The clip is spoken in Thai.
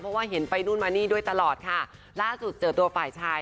เพราะว่าเห็นไปนู่นมานี่ด้วยตลอดค่ะล่าสุดเจอตัวฝ่ายชาย